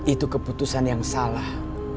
itu keputusan yang salah